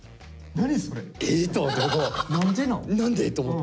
何？